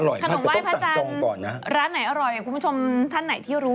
อร่อยมากจะต้องสั่งจองก่อนนะครับขนมไว้พระอาจารย์ร้านไหนอร่อยคุณผู้ชมท่านไหนที่รู้